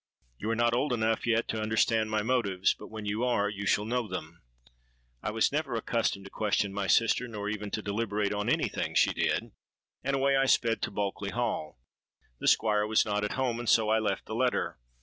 You are not old enough yet to understand my motives; but when you are, you shall know them.'—I was never accustomed to question my sister, nor even to deliberate on any thing she did; and away I sped to Bulkeley Hall. The Squire was not at home; and so I left the letter.